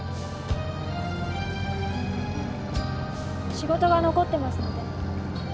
仕事が残ってますので。